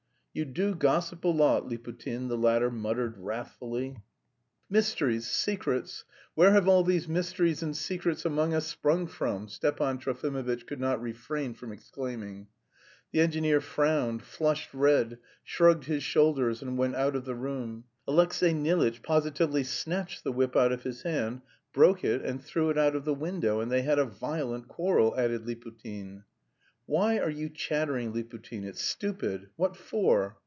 "You do gossip a lot, Liputin," the latter muttered wrathfully. "Mysteries, secrets! Where have all these mysteries and secrets among us sprung from?" Stepan Trofimovitch could not refrain from exclaiming. The engineer frowned, flushed red, shrugged his shoulders and went out of the room. "Alexey Nilitch positively snatched the whip out of his hand, broke it and threw it out of the window, and they had a violent quarrel," added Liputin. "Why are you chattering, Liputin; it's stupid. What for?"